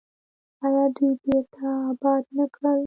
آیا دوی بیرته اباد نه کړل؟